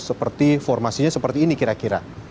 seperti formasinya seperti ini kira kira